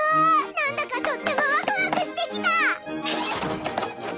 なんだかとってもワクワクしてきた！